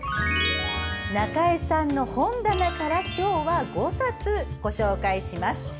中江さんの本棚から今日は５冊ご紹介します。